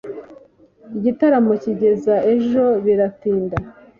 Igitaramo kigeza ejo biratinda